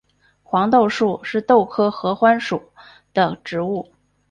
黄豆树是豆科合欢属的植物。